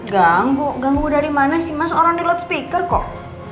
ganggu ganggu dari mana sih mas orang di luar speaker kok